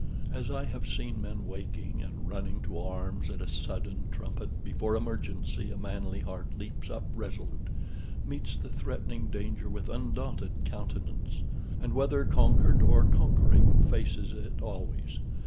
As I have seen men waking and running to arms at a sudden trumpet, before emergency a manly heart leaps up resolute; meets the threatening danger with undaunted countenance; and, whether conquered or conquering, faces it always.